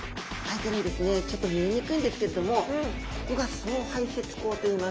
ちょっと見えにくいんですけれどもここが総排泄腔といいます。